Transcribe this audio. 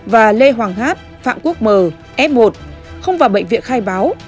và lê hoàng hát phạm quốc m f một không vào bệnh viện khai báo